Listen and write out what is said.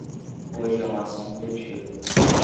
Hoje é uma ação corretiva